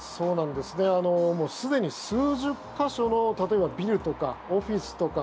すでに数十か所の例えばビルとかオフィスとか